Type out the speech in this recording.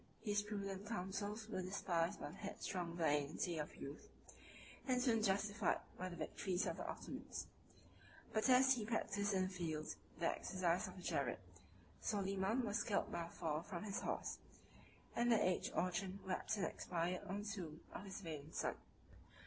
His prudent counsels were despised by the headstrong vanity of youth, and soon justified by the victories of the Ottomans. But as he practised in the field the exercise of the jerid, Soliman was killed by a fall from his horse; and the aged Orchan wept and expired on the tomb of his valiant son.